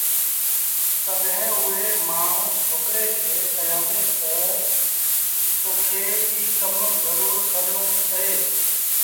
تڏهيݩ اُئي مآڻهوٚٚݩ ڇوڪري کي ڪهيآݩدي تا تا تو کي ايٚ ڪم زرُور ڪرڻو اهي